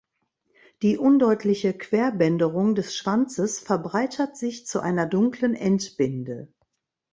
Die undeutliche Querbänderung des Schwanzes verbreitert sich zu einer dunklen Endbinde.